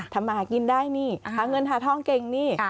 ทำมาหากินได้นี่หาเงินหาทองเก่งนี่